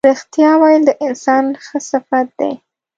رښتیا ویل د انسان ښه صفت دی.